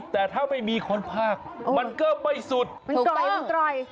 แต่ถ้าไม่มีคนพากมันก็ไปสุดมันตรอย